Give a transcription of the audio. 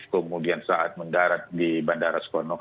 kemudian saat mendarat di bandara skonong